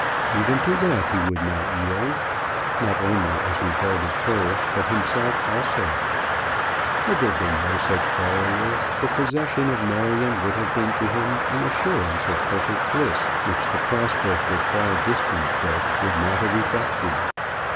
Even to that he would not yield, not only as regarded her but himself also. Had there been no such barrier, the possession of Marion would have been to him an assurance of perfect bliss which the prospect of far distant death would not have effected.